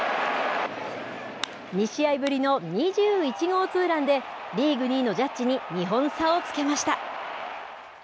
２試合ぶりの２１号２ランでリーグ２位のジャッジに２本差をつけました。